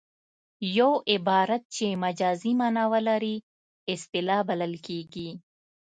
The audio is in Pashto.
یو عبارت چې مجازي مانا ولري اصطلاح بلل کیږي